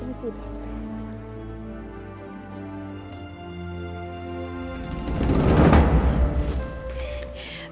terima kasih dok